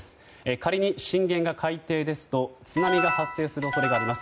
仮に震源が海底ですと津波が発生する恐れがあります。